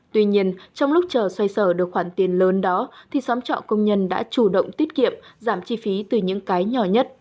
tuy nhiên trong lúc chờ xoay sở được khoản tiền lớn đó thì xóm trọ công nhân đã chủ động tiết kiệm giảm chi phí từ những cái nhỏ nhất